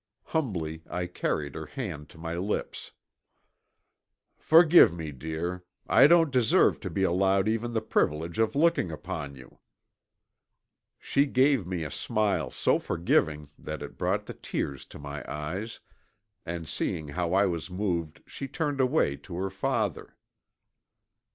Humbly I carried her hand to my lips. "Forgive me, dear. I don't deserve to be allowed even the privilege of looking upon you." She gave me a smile so forgiving that it brought the tears to my eyes, and seeing how I was moved she turned away to her father.